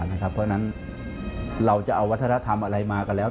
เพราะฉะนั้นเราจะเอาวัฒนธรรมอะไรมาก็แล้ว